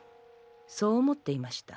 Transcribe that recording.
そう思っていました。